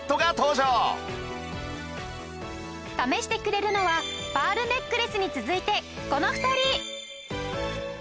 試してくれるのはパールネックレスに続いてこの２人。